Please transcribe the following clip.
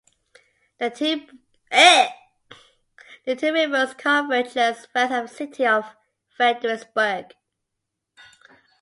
The two rivers converge just west of the city of Fredericksburg.